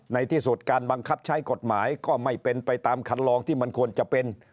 ในที่สุดการบังคับใช้กฎหมายก็ไม่เป็นไปตามคันลองที่มันควรจะเป็น